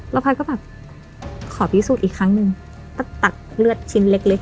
แล้วแพทย์ก็แบบขอพิสูจน์อีกครั้งหนึ่งก็ตัดเลือดชิ้นเล็กเล็ก